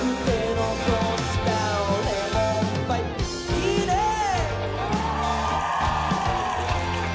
いいねえ！